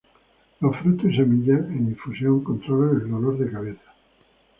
Los frutos y semillas en infusión controlan el dolor de cabeza.